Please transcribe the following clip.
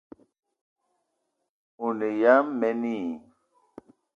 O ne ya mene i?